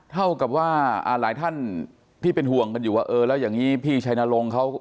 เท่ากับว่าหลายท่านที่เป็นห่วงกันอยู่ว่าเออแล้วอย่างนี้พี่ชัยนรงค์เขา